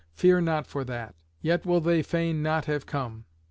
Fear not for that; yet will they fain not have come.